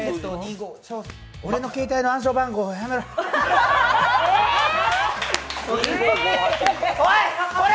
俺の携帯の暗証番号やめろ。